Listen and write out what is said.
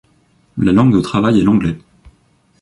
La langue de travail est l'anglais.